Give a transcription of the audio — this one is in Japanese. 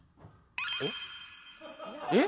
えっ？えっ？